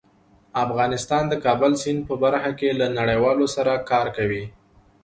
افغانستان د کابل سیند په برخه کې له نړیوالو سره کار کوي.